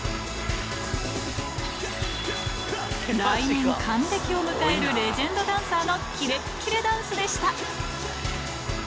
来年還暦を迎えるレジェンドダンサーのキレッキレダンスでした。